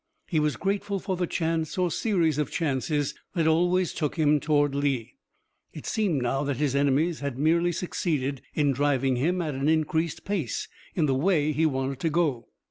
He was grateful for the chance or series of chances that always took him toward Lee. It seemed now that his enemies had merely succeeded in driving him at an increased pace in the way he wanted to go.